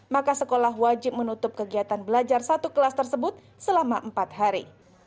maka sekolah wajib menutup kegiatan belajar satu kelas tersebut selama empat hari